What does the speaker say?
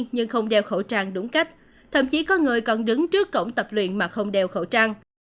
nhưng không đeo khẩu trang đúng cách thậm chí có người còn đứng trước cổng tập luyện mà không đeo khẩu trang